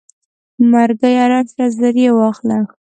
مرګیه راشه زر یې واخله.